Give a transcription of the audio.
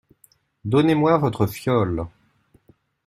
Donnez-moi votre fiole !